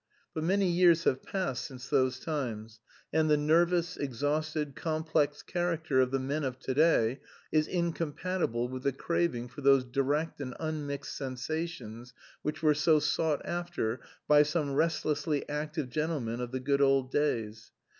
But many years have passed since those times, and the nervous, exhausted, complex character of the men of to day is incompatible with the craving for those direct and unmixed sensations which were so sought after by some restlessly active gentlemen of the good old days.